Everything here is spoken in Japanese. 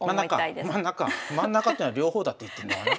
真ん中っていうのは両方だって言ってんのかな？